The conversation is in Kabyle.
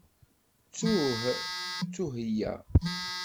Ttuh ttuheya.